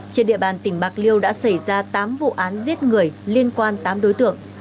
trên địa bàn tỉnh bạc liêu đã xảy ra tám vụ án giết người liên quan tám đối tượng